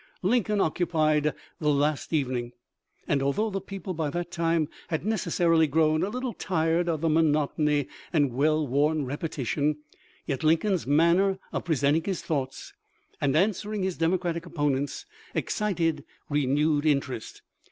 Lincoln occupied the last evening, and although the people by that time had necessarily grown a little tired of the monotony and well worn, repetition, yet Lincoln's manner of pre senting his thoughts and answering his Democratic opponents excited renewed interest.